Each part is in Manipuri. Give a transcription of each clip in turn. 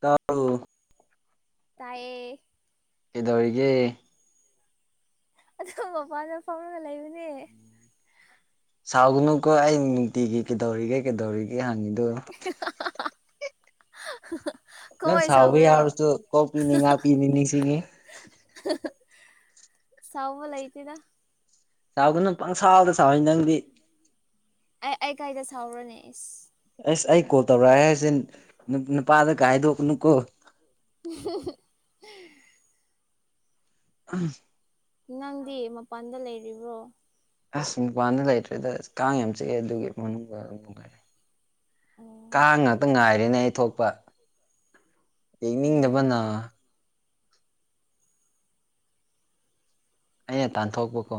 ꯇꯜ ꯇꯌꯦ ꯑꯗꯨꯒꯤ ꯑꯗꯨꯒ ꯃꯄꯥꯟꯗ ꯐꯥꯎꯔꯒ ꯂꯩꯕꯅꯦ ꯁꯥꯎꯒꯅꯨꯀꯣ ꯑꯩ ꯅꯨꯡꯇꯤꯒꯤ ꯀꯩꯗꯧꯔꯤꯒꯦ ꯀꯩꯗꯧꯔꯤꯒꯦ ꯍꯪꯉꯤꯅꯤ [inaudible] ꯅꯪ ꯁꯥꯎꯕ ꯁꯥꯎꯒꯦꯔꯣ ꯌꯥꯎꯔꯁꯨ ꯀꯣꯛ ꯄꯤꯅꯤ ꯉꯥ ꯄꯤꯅꯤ ꯅꯤꯡꯁꯤꯡꯅꯤꯤ ꯁꯥꯎꯕ ꯂꯩ ꯂꯩꯇꯗ ꯆꯥꯎꯈ ꯅꯪ ꯄꯪꯁꯥꯎꯗ ꯆꯥꯎꯅꯤ ꯅꯪꯗꯤ ꯑ ꯑꯩ ꯀꯥꯏꯗ ꯁꯥꯥꯎꯔꯣ ꯅ ꯑꯦꯁ ꯑꯩ ꯀꯣꯜ ꯇꯧꯔꯛꯑꯦ ꯍꯥꯏꯁꯦ ꯅꯨꯄꯥꯗ ꯀꯥ ꯍꯥꯏꯗꯣꯛꯅꯨꯀꯣ [inaudible] ꯎꯝ ꯅꯪꯗꯤ ꯃꯄꯥꯟꯗ ꯂꯩꯔꯤꯕ꯭ꯔꯣ ꯑꯁ ꯃꯄꯥꯟꯗ ꯂꯩꯇ꯭ꯔꯦꯗ ꯀꯥꯡ ꯌꯥꯝ ꯆꯤꯛꯑꯦ ꯑꯗꯨꯒꯤ ꯃꯅꯨꯡꯗ ꯑꯗꯨꯝ ꯅꯨꯡꯉꯥꯏꯔꯦ ꯑꯣ ꯀꯥꯡ ꯉꯥꯛꯇ ꯉꯥꯏ ꯍꯦꯅ ꯑꯩ ꯊꯣꯛꯣꯛꯄ ꯑꯣ ꯌꯦꯛꯅꯤꯡꯗꯕꯅ ꯑꯩꯅ ꯇꯥꯟꯊꯣꯛꯄꯀꯣ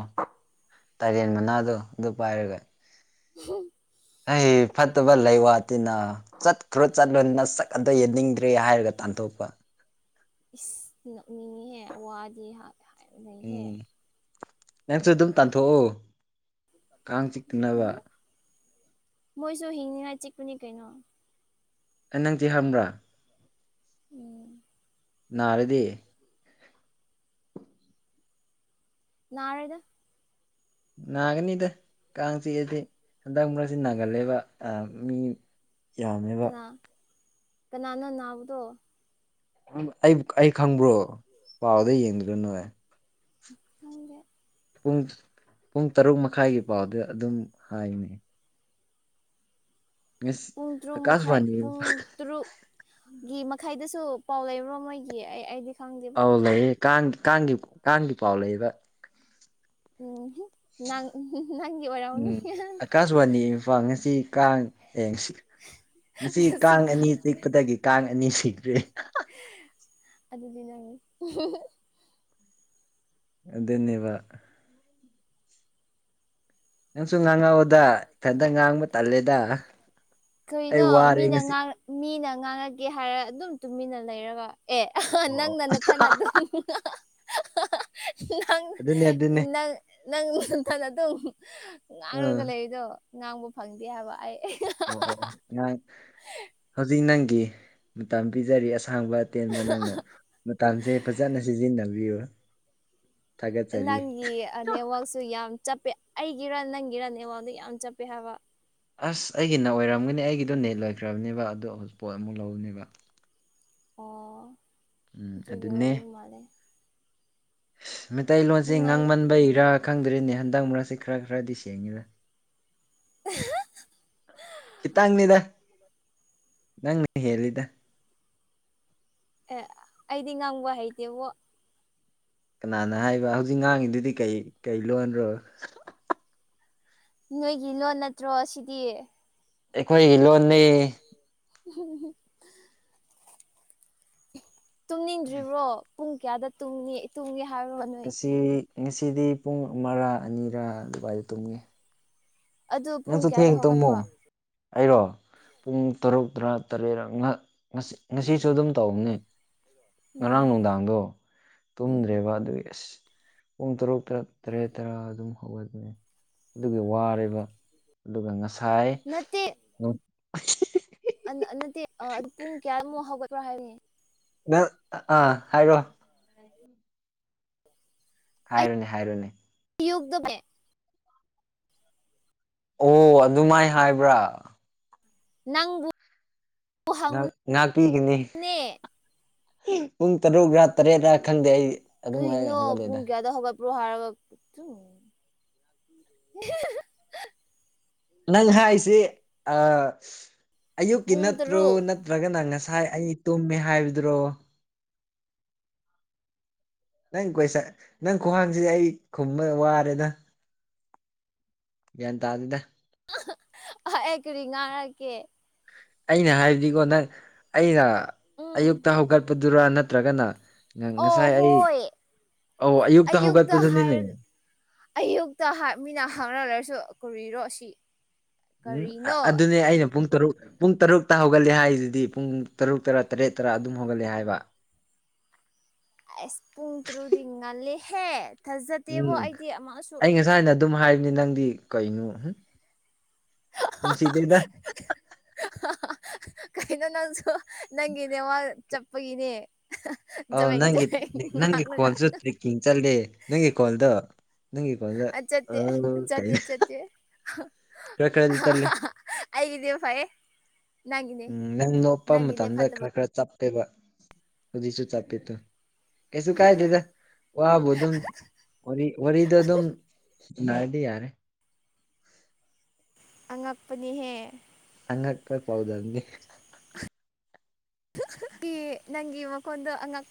ꯇꯔꯦꯟ ꯃꯅꯥꯗꯣ ꯑꯗꯨ ꯄꯥꯏꯔꯒ ꯎ ꯑꯩ ꯐꯠ ꯐꯠꯇꯕ ꯂꯩ ꯋꯥꯇꯤꯅ ꯆꯠꯈ꯭ꯔꯣ ꯆꯠꯂꯨꯅ ꯁꯛ ꯑꯗꯣ ꯌꯦꯅꯤꯡꯗ꯭ꯔꯦ ꯍꯥꯏꯔꯒ ꯇꯥꯟꯊꯣꯛꯄ ꯏꯁ ꯅꯣꯛꯅꯤꯡꯉꯤꯍꯦ ꯋꯥꯗꯤ ꯂꯩꯍꯦ ꯎꯝ ꯅꯪꯁꯨ ꯑꯗꯨꯝ ꯇꯥꯟꯊꯣꯛꯎ ꯀꯥꯡ ꯆꯤꯛꯇꯅꯕ ꯎꯝ ꯃꯣꯏꯁꯨ ꯍꯤꯡꯅꯤꯡꯉꯥꯏ ꯆꯤꯛꯄꯅꯤ ꯀꯩꯅꯣ ꯑꯩ ꯅꯪꯗꯤ ꯍꯕ꯭ꯔꯥ ꯎꯝ ꯅꯔꯗꯤ ꯅꯥꯔꯣꯢꯗ ꯅꯥꯒꯅꯤꯗ ꯀꯥꯡ ꯆꯤꯛꯑꯗꯤ ꯍꯟꯗꯛ ꯃꯔꯛꯁꯤ ꯅꯥꯒꯜꯂꯦꯕ ꯃꯤ ꯌꯥꯝꯃꯦꯕ ꯀꯅ ꯅꯥꯕꯗ ꯑꯩ ꯑꯩ ꯈꯪꯕ꯭ꯔꯣ ꯄꯥꯎꯗ ꯌꯦꯡꯗꯔꯅꯨ ꯥꯡꯦ ꯄꯨꯡ ꯄꯨꯡ ꯇꯔꯨꯛ ꯃꯈꯥꯏꯒꯤ ꯄꯥꯎꯗ ꯑꯗꯨꯝ ꯍꯥꯏꯅꯤ ꯉꯁꯤ ꯄꯨꯡ ꯇꯔꯨꯛ ꯃꯈꯥꯏ ꯑꯀꯥꯁꯕꯥꯅꯤ ꯄꯨꯡ ꯇꯔꯨꯛꯀꯤ ꯃꯈꯥꯏꯗ ꯁꯨ ꯄꯥꯎ ꯂꯩꯕ꯭ꯔꯣ ꯃꯣꯏꯒꯤ ꯑꯩ ꯑꯩꯗꯤ ꯈꯪꯗꯦꯕꯣ ꯑꯧ ꯂꯩ ꯀꯥꯡ ꯀꯥꯡꯒꯤ ꯀꯥꯡꯒꯤ ꯄꯥꯎ ꯂꯩꯕ ꯎ ꯅꯪꯒꯤꯦ ꯋꯥꯔꯥꯎꯅꯤ ꯎꯝ ꯑꯀꯥꯁꯕꯥꯅꯤ ꯏꯝꯐꯥꯜ ꯉꯁꯤ ꯀꯥꯡ ꯌꯦꯡ ꯁꯤ ꯉꯁꯤ ꯀꯥꯡ ꯑꯅꯤ ꯆꯤꯛꯄꯗꯒꯤ ꯀꯥꯡ ꯑꯅꯤ ꯁꯤꯗ꯭ꯔꯦ ꯑꯗꯨ ꯑꯗꯨꯗꯤ ꯅ ꯅꯤꯕ ꯅꯪꯁꯨ ꯉꯥꯡꯉꯛꯎꯗ ꯏꯊꯟꯇ ꯉꯥꯡꯕ ꯇꯜꯂꯦꯗ ꯑꯩ ꯀꯩꯅꯣ ꯋꯥꯔꯦ ꯃꯤꯅ ꯉꯁꯤ ꯃꯤꯅ ꯉꯥꯡꯉꯒꯦ ꯍꯥꯏꯔ ꯑꯗꯨꯝ ꯇꯨꯃꯤꯟꯅ ꯂꯩꯔꯒ ꯑꯦ ꯑꯣ ꯑꯣ ꯅꯪ ꯅꯟꯅ ꯊꯅ ꯑꯗꯨ ꯅꯪ ꯑꯗꯨꯅꯦ ꯑꯗꯨꯅꯦ ꯅꯪ ꯅꯪꯅ ꯑꯗꯨꯝ ꯑꯥ ꯉꯥꯡꯔꯨꯔꯒ ꯂꯩꯔꯤꯗꯣ ꯉꯥꯡꯕ ꯐꯪꯗꯦ ꯍꯥꯏꯕ ꯑꯩ ꯑꯣ ꯑꯣ ꯅꯍꯥꯡ ꯍꯧꯖꯤꯛ ꯅꯪꯒꯤ ꯃꯇꯝ ꯄꯤꯖꯔꯤ ꯑꯁ ꯁꯥꯡꯕ ꯑꯇꯦꯟꯕ ꯅꯪꯅ ꯃꯇꯁꯦ ꯐꯖꯅ ꯁꯤꯖꯤꯟꯅꯕꯤꯌꯨ ꯊꯥꯒꯠꯆꯔꯤ ꯅꯪꯒꯤ ꯅꯦꯠꯋꯔꯛꯁꯨ ꯌꯥꯝ ꯆꯠꯄꯦ ꯑꯩꯒꯤ ꯔꯟ ꯅꯪꯒꯤ ꯔꯟ ꯑꯦꯉꯣꯟꯗ ꯌꯥꯝ ꯆꯠꯄꯦ ꯍꯥꯏꯕ ꯑꯁ ꯑꯩꯒꯤ ꯅ ꯑꯣꯏꯔꯝꯒꯅꯤ ꯑꯩꯒꯤꯗꯣ ꯅꯦꯠ ꯂꯣꯏꯈ꯭ꯔꯕꯅꯦꯕ ꯑꯗꯨ ꯍꯧꯖꯤꯛ ꯄꯣꯠ ꯑꯃꯨꯛ ꯂꯧꯅꯦꯕ ꯑꯣ ꯆꯦ ꯑꯣꯏꯔ ꯃꯥꯂꯦ ꯃꯩꯇꯩꯂꯣꯟꯁꯤ ꯉꯥꯡꯃꯟꯕ ꯏꯔꯥꯛ ꯈꯪꯗ꯭ꯔꯤꯅꯦ ꯍꯟꯗꯛ ꯃꯔꯛꯁꯤꯦ ꯈꯔ ꯈꯔꯗꯤ ꯁꯦꯡꯉꯤꯗ ꯀꯇꯪꯅꯤꯗ ꯅꯪ ꯍꯗ ꯑꯦ ꯑꯩꯗꯤ ꯉꯥꯡꯕ ꯍꯩꯇꯦꯕ ꯀꯅꯥꯅ ꯍꯥꯏꯕ ꯍꯧꯖꯤꯛ ꯉꯥꯡꯉꯤꯗꯨꯗꯤ ꯀꯩ ꯀꯩ ꯂꯣꯟꯔꯣꯏ ꯅꯣꯏꯒꯤ ꯂꯣꯟ ꯅꯠꯇ꯭ꯔꯣ ꯁꯤꯗꯤ ꯑꯩꯈꯣꯏ ꯍꯤꯂꯣꯅꯤ ꯎ ꯇꯨꯝꯅꯤꯡꯗ꯭ꯔꯤꯕ꯭ꯔꯣ ꯄꯨꯡ ꯀꯌꯥꯗ ꯇꯨꯡꯅꯤ ꯇꯨꯝꯒꯦ ꯍꯥꯏꯔꯨꯔꯣ ꯅꯣꯏ ꯉꯁꯤ ꯉꯁꯤꯗꯤ ꯄꯨꯡ ꯑꯃꯔꯥ ꯑꯅꯤꯔꯥ ꯗꯨꯕꯥꯏꯗ ꯇꯨꯝꯉꯦ ꯑꯗꯨ ꯄꯨꯡ ꯅꯪꯁꯨ ꯀꯌꯥꯗ ꯊꯦꯡ ꯇꯧꯃꯨ ꯍꯧꯒꯠꯄ ꯑꯩꯔꯣ ꯄꯨꯡ ꯇꯔꯨꯛ ꯇꯔꯥ ꯇꯔꯦꯠ ꯉꯁꯤꯁꯨ ꯑꯗꯨꯝ ꯇꯧꯕꯅꯦ ꯉꯔꯥꯡ ꯎꯝ ꯅꯨꯡꯗꯥꯡꯗꯣ ꯇꯨꯝꯗ꯭ꯔꯦꯕ ꯑꯗꯨꯒꯤ ꯑꯁ ꯄꯨꯡ ꯇꯔꯨꯛ ꯇꯔꯦꯠ ꯇꯔꯥ ꯑꯗꯨꯝ ꯍꯧꯒꯕꯅꯤ ꯑꯗꯨꯒꯒꯤ ꯋꯥꯔꯤꯕ ꯑꯗꯨꯒꯨꯒ ꯉ ꯁꯥꯏ ꯅꯠꯇꯦ ꯅꯠꯇꯦ ꯄꯨꯡ ꯀꯌꯥꯃꯨꯛ ꯍꯧꯒꯠꯄ꯭ꯔꯣ ꯍꯥꯏꯅꯤ ꯑꯥ ꯍꯥꯏꯔꯣ ꯍꯥꯏꯔꯨꯅꯦ ꯍꯥꯏꯔꯨꯅꯦ ꯌꯒꯗ ꯃ ꯑꯣ ꯑꯗꯨꯃꯥꯏ ꯍꯥꯏꯕ꯭ꯔꯥ ꯅꯪꯉꯨ ꯅꯥꯄꯤꯤꯒꯅꯦ ꯄꯨꯡ ꯇꯔꯨꯛ꯭ꯔ ꯇꯔꯦꯠꯔ ꯈꯪꯗꯦ ꯑꯩ ꯑꯗꯨꯝꯥꯏꯅ ꯍꯧꯒꯠꯂꯦꯗ ꯄ ꯍꯥꯔꯠꯇ ꯅꯪ ꯍꯥꯏꯁꯤꯦ ꯑꯌꯨꯛꯀꯤ ꯄꯨꯡ ꯅꯠꯇ꯭ꯔꯣ ꯇꯔꯨꯛ ꯅꯠꯇ꯭ꯔꯒꯅꯪ ꯉꯁꯥꯏ ꯉꯥꯏ ꯑꯩ ꯇꯨꯝꯃꯦ ꯍꯥꯏꯕꯗꯨ꯭ꯔꯣ ꯅꯪ ꯀꯣꯏꯁ ꯅꯪ ꯈ꯭ꯍꯡꯁꯤꯗꯤ ꯑꯩ ꯈꯨꯝꯕ ꯋꯥꯔꯦꯗ ꯌꯦꯟ ꯇꯑꯗ ꯑꯦꯈꯔꯤꯉꯥꯔꯀꯦ ꯑꯩꯅ ꯍꯥꯏꯕꯗꯤꯀꯣ ꯅꯪ ꯑꯩꯅ ꯎꯝ ꯑꯌꯨꯛꯇ ꯍꯧꯒꯠꯄꯗꯨꯔꯥ ꯅꯠꯇ꯭ꯔꯒꯅ ꯑꯣ ꯉꯁꯥꯏ ꯑꯩ ꯍꯣꯏ ꯑꯧ ꯑꯌꯨꯛꯇ ꯍꯥꯏ ꯍꯧꯒꯠꯄꯗꯨꯅꯤꯅꯦ ꯑꯌꯨꯛꯇ ꯃꯤꯅ ꯍꯥꯡꯅꯂꯔꯁꯨ ꯀꯨꯔꯤꯔꯣ ꯈꯁꯤ ꯎꯝ ꯑꯗꯨꯅꯦ ꯑꯩꯅ ꯄꯨꯡ ꯇꯔꯨꯛ ꯄꯨꯡ ꯇꯔꯨꯛꯇ ꯍꯧꯒꯠꯂꯦ ꯍꯥꯏꯗꯨꯗꯤ ꯄꯨꯡ ꯇꯔꯨꯛ ꯇꯔꯥ ꯇꯔꯦꯠ ꯇꯔꯥ ꯑꯗꯨꯝ ꯍꯧꯒꯠꯂꯦ ꯍꯥꯏꯕ [unintelligible] ꯑꯁ ꯄꯨꯡ ꯇꯔꯨꯗꯤ ꯉꯜꯂꯦꯍꯦ ꯊꯥꯖꯗꯦꯕꯣ ꯎꯝ ꯑꯩꯗꯤ ꯑꯃꯁꯨ ꯑꯩ ꯉꯁꯥꯏꯅ ꯑꯗꯨꯝ ꯍꯥꯏꯕꯅꯤ ꯅꯪꯗꯤ ꯀꯩꯅꯣ ꯅꯨꯡꯁꯤꯗꯩꯗ ꯀꯩꯅꯩꯅ ꯅꯪꯁꯨ ꯅꯪꯒꯤꯅꯦ ꯋꯥ ꯆꯄꯒꯤꯅꯦ ꯑꯥꯎ ꯅꯪꯒꯤ ꯅꯪꯒꯤ ꯈꯣꯜꯁꯨ ꯇ꯭ꯔꯦꯛꯀꯤꯡ ꯆꯠꯂꯦ ꯅꯪꯒꯤ ꯈꯣꯜꯗꯣ ꯅꯪ ꯀꯗ ꯑ ꯆꯠꯇꯦ ꯆꯠꯇꯦ ꯀꯩꯅꯩꯅ ꯆꯠꯇꯦ ꯀ ꯀ ꯆ ꯂꯩꯦ ꯑꯩꯒꯤꯗꯤ ꯐꯩꯌꯦ ꯅꯪꯒꯤꯅꯦ ꯎꯝ ꯅꯪ ꯅꯣꯞꯄ ꯅꯪꯒꯤꯅꯦ ꯃꯇꯝꯗ ꯐꯠꯇꯕ ꯈꯔ ꯈꯔ ꯆꯞ ꯍꯧꯖꯤꯁꯨꯨ ꯆꯞꯦ ꯇ ꯀꯩꯁꯨ ꯀꯥꯏꯗꯗ ꯋꯥꯕꯨ ꯑꯗꯨꯝ ꯋꯥꯔꯤꯔꯤꯗ ꯑꯗꯨꯝ ꯥꯏꯗꯤ ꯌꯥꯔꯦ ꯑꯉꯛꯄꯅꯤꯍꯦ ꯆꯉ ꯈ ꯄꯥꯎꯗꯅꯤ ꯀ ꯅꯪꯒꯤ ꯃꯈꯈꯣꯟꯗ ꯑꯉꯛ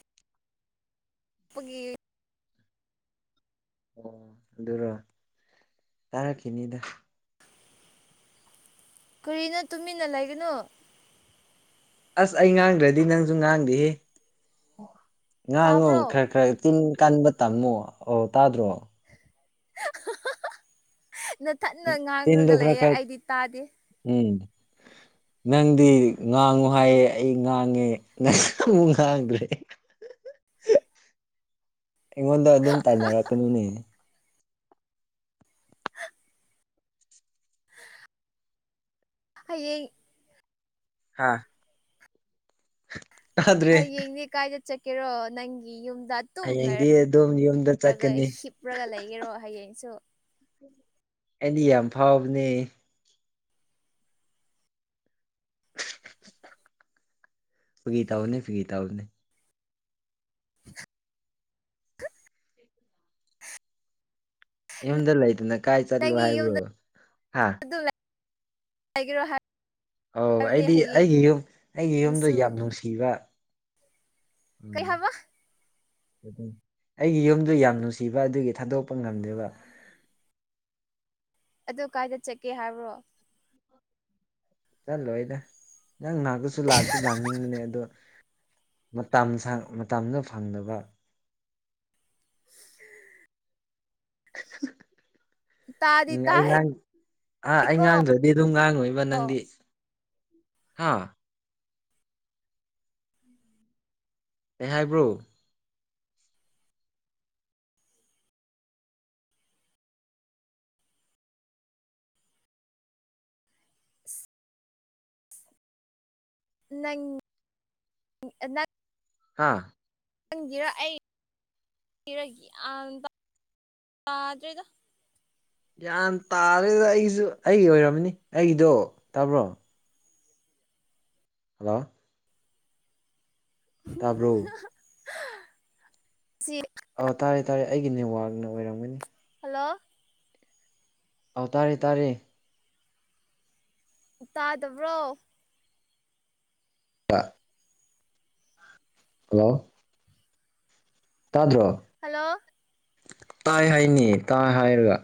ꯄꯒꯒꯤ ꯑꯣ ꯑꯗꯨꯔꯣ ꯇꯥꯔꯛꯈꯤꯅꯤꯗ ꯀꯨꯔꯤꯅ ꯇꯨꯃꯤꯟꯅ ꯂꯩꯒꯅꯣ ꯑꯁ ꯑꯩ ꯉꯥꯡꯗ꯭ꯔꯗꯤ ꯅꯪꯁꯨ ꯉꯥꯡꯗꯦꯍꯦ ꯉꯍꯥꯡ ꯉꯨ ꯇꯥꯕ꯭ꯔꯣ ꯈꯔ ꯈꯔ ꯇꯤꯟ ꯀꯟꯕ ꯇꯝꯃꯣ ꯑꯣ ꯇꯥꯗ꯭ꯔꯣ ꯅꯊꯠꯅ ꯆꯤꯟꯗꯣ ꯉꯥꯡꯈꯒ ꯈꯔ ꯂꯩꯌꯦꯦ ꯈꯔ ꯑꯩꯗꯤ ꯇꯥꯗꯦ [unintelligible] ꯅꯪꯗꯤ ꯉꯥꯡꯉꯨ ꯍꯥꯏꯌꯦ ꯑꯩ ꯉꯥꯡꯉꯦ ꯅꯪ ꯑꯃꯨꯛ ꯉꯥꯡꯗ꯭ꯔꯦ ꯑꯩꯉꯣꯟꯗ ꯑꯗꯨꯝ ꯇꯥꯏꯅꯔꯛꯀꯅꯨꯅꯦ ꯑꯦ ꯍꯥꯥ [unintelligible] ꯍꯌꯦꯡꯅꯦ ꯀꯥꯏꯗ ꯆꯠꯀꯦꯔꯣ ꯅꯪꯒꯤ ꯌꯨꯝ ꯗ ꯍꯌꯦꯡꯗꯤ ꯑꯗꯨꯝ ꯌꯨꯝꯗ ꯇꯨꯝꯅꯔꯔꯒ ꯆꯠꯀꯅꯤ ꯍꯤꯞꯂꯒ ꯂꯩꯒꯦꯔꯣ ꯍꯌꯦꯡꯁꯨ ꯑꯩꯗꯤ ꯌꯥꯝ ꯐꯥꯎꯕꯅꯦ ꯐꯒꯤꯇꯥ ꯑꯣ ꯐꯒꯤꯇꯥ ꯑꯣ ꯌꯨꯝꯗ ꯂꯩꯇꯅ ꯀꯥꯏ ꯆꯠꯂꯣ ꯍꯥꯏꯕ꯭ꯔꯣ ꯍꯥ ꯍꯥꯏꯒ꯭ꯔꯣ ꯍꯥꯏ ꯑ ꯑꯩꯗꯤ ꯑꯩꯒꯤ ꯌꯨꯝ ꯑꯩꯒꯤ ꯌꯨꯝꯗꯣ ꯍꯌꯦꯡꯁꯨ ꯌꯥꯝ ꯅꯨꯡꯁꯤꯕ ꯎꯝ ꯀꯩꯍꯕ ꯑꯩꯒꯤ ꯌꯨꯝꯗ ꯌꯥꯝ ꯅꯨꯡꯁꯤꯕ ꯑꯗꯨꯒꯤ ꯊꯥꯗꯣꯛꯄ ꯉꯝꯗꯕ [inaudible] ꯑꯗꯨ ꯀꯥꯏꯗ ꯆꯠꯀꯦ ꯍꯥꯏꯕ꯭ꯔꯣ ꯆꯠꯂꯣꯏꯗ ꯅꯪ ꯅꯅꯥꯒꯁꯨ ꯂꯥꯛꯇꯤ ꯂꯥꯡꯅꯤꯡꯕꯅꯦ ꯑꯗꯣ ꯃꯇꯝꯗ ꯐꯪꯗꯕ [inaudible] [inaudible] ꯇꯥꯗꯤ ꯎꯝ ꯑꯩ ꯇꯥꯏ ꯉꯥꯡ ꯑꯥ ꯑꯩ ꯀꯣ ꯉꯥꯡꯗ꯭ꯔꯗꯤ ꯑꯗꯨꯝ ꯉꯥꯡꯉꯣꯏꯕ ꯅꯪꯗꯤ ꯍꯥꯥ ꯑꯦꯍꯥꯏꯕ꯭ꯔꯣ ꯅꯪꯪ ꯍꯥꯥ ꯈꯪꯒꯤꯔ ꯑꯩ [unintelligible] ꯌꯥꯝ ꯇꯥꯔꯦꯗ ꯑꯩꯁꯨ ꯑꯩꯒꯤ ꯑꯣꯏꯔꯝꯅꯤ ꯑꯩꯒꯤꯗꯣ ꯇꯥꯕ꯭ꯔꯣ ꯍꯜꯂꯣ ꯇꯥꯕ꯭ꯔꯣ ꯁꯤꯅꯤ ꯑ ꯇꯥꯔꯦ ꯇꯥꯔꯦ ꯑꯩꯒꯤ ꯅꯦꯠꯋꯥꯛꯅ ꯑꯣꯏꯔꯝꯒꯅꯤ ꯍꯜꯂꯣ ꯑꯥꯎ ꯇꯔꯦ ꯇꯥꯔꯦ ꯇꯥꯗꯕ꯭ꯔꯣ ꯇꯥ ꯍꯂꯣ ꯇꯥꯗ꯭ꯔꯣ ꯍꯜꯂꯣ ꯇꯥꯏ ꯍꯥꯏꯅꯤꯌꯦ ꯇꯥꯏ ꯍꯥꯏꯔꯒ